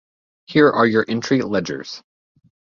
Here are your entry ledgers.